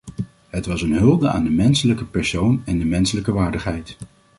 Het was een hulde aan de menselijke persoon en de menselijke waardigheid.